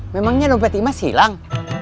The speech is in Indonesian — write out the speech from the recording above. memangnya dompet imas hilang